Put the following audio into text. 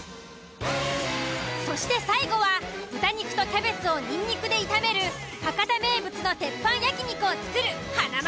そして最後は豚肉とキャベツをニンニクで炒める博多名物の鉄板焼肉を作る華丸さん。